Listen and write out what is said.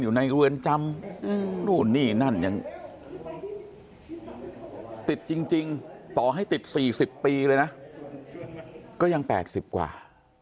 อยู่ในเวือนจำติดจริงต่อให้ติด๔๐ปีเลยนะก็ยังแตก๑๐กว่า